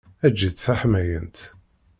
Eǧǧ-itt d taḥmayant.